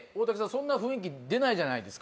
そんな雰囲気出ないじゃないですか